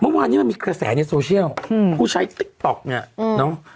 เมื่อวานนี้มันมีแสดงในโซเชียลผู้ใช้ติ๊กต๊อกเนี่ยเนาะ